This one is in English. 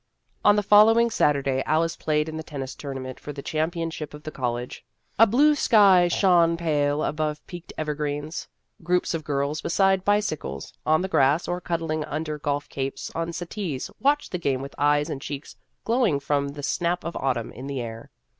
On the following Saturday, Alice played in the tennis tournament for the champion ship of the college. A blue sky shone pale above peaked evergreens. Groups of girls beside bicycles, on the grass, or cuddling under golf capes on settees watched the game with eyes and cheeks glowing from the snap of autumn in the air.